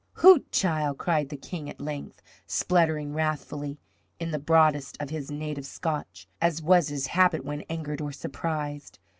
"Hoot, chiel!" cried the King at length, spluttering wrathfully in the broadest of his native Scotch, as was his habit when angered or surprised.